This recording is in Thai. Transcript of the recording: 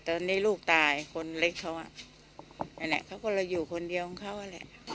ตอนนี้ลูกตายคนเล็กเค้าอะเค้าคนละอยู่คนเดียวของเค้าอะแหละ